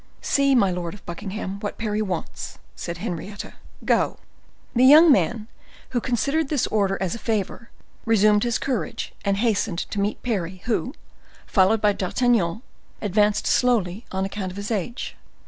"See, my lord of Buckingham, what Parry wants," said Henrietta. "Go!" The young man, who considered this order as a favor, resumed his courage, and hastened to meet Parry, who, followed by D'Artagnan, advanced slowly on account of his age.